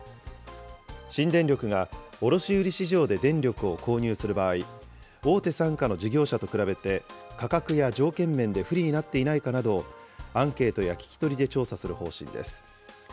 新電力が卸売市場で電力を購入する場合、大手傘下の事業者と比べて価格や条件面で不利になっていないかなどを、アンケートや聞き取りで調査する方針です。